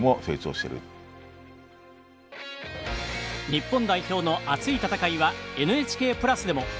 日本代表の熱い戦いはＮＨＫプラスでも。